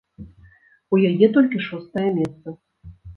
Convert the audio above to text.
У яе толькі шостае месца.